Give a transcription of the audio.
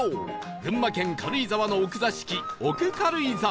群馬県軽井沢の奥座敷奥軽井沢